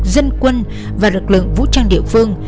dân quân và lực lượng vũ trang địa phương